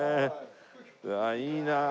うわあいいなあ。